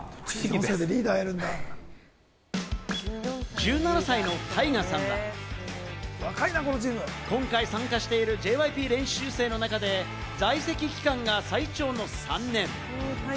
１７歳のタイガさんは、今回参加しているＪＹＰ練習生の中で在籍期間が最長の３年。